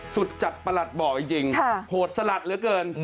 จัดประหลัดบอกจริงโหดสลัดเหลือเกิน